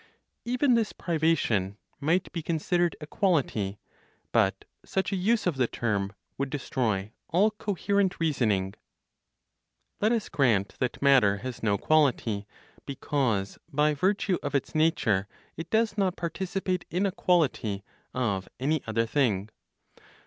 EVEN THIS PRIVATION MIGHT BE CONSIDERED A QUALITY; BUT SUCH A USE OF THE TERM WOULD DESTROY ALL COHERENT REASONING. Let us grant that matter has no quality, because, by virtue of its nature, it does not participate in a quality of any other thing.